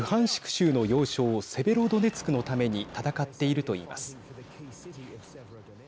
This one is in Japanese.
州の要衝セベロドネツクのために戦っているといいます。